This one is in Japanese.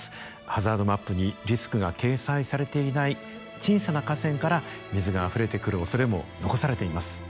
ハザードマップにリスクが掲載されていない小さな河川から水があふれてくるおそれも残されています。